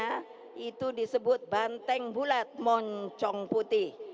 yang disebut banteng bulat moncong putih